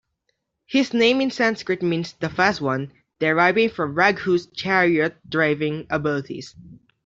His name in Sanskrit means "the fast one", deriving from Raghu's chariot-driving abilities.